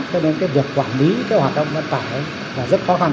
cho nên cái việc quản lý cái hoạt động vận tải ấy là rất khó khăn